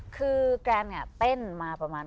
คือแกรนเนี่ยเต้นมาประมาณ